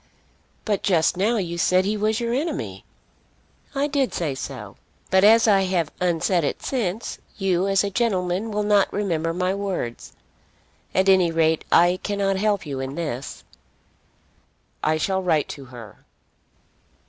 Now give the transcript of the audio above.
"But just now you said that he was your enemy." "I did say so; but as I have unsaid it since, you as a gentleman will not remember my words. At any rate I cannot help you in this." "I shall write to her."